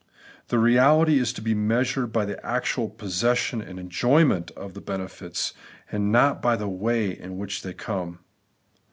The reality is to be measured by the actual possession and enjoyment of the benefits, and not by the way in which they come.